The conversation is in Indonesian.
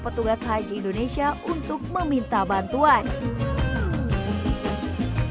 petugas haji indonesia untuk meminta bantuan hai hai